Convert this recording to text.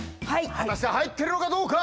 果たして入ってるのかどうか？